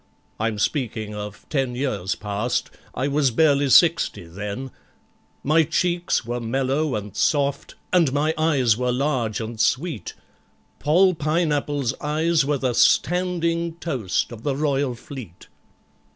I'm speaking of ten years past—I was barely sixty then: My cheeks were mellow and soft, and my eyes were large and sweet, POLL PINEAPPLE'S eyes were the standing toast of the Royal Fleet!